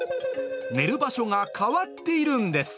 寝る場所が変わっているんです。